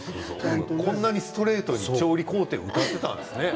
こんなにストレートに調理工程を歌っていたんですね。